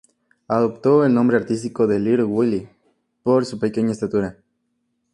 Adoptó el nombre artístico de "Little Willie" por su pequeña estatura.